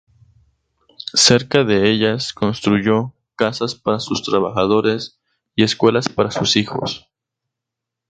Cerca de ellas, construyó casas para sus trabajadores y escuelas para sus hijos.